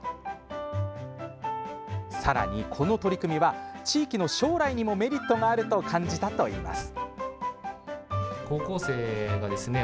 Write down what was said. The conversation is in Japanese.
さらに、この取り組みは地域の将来にもメリットがあると感じたといいます。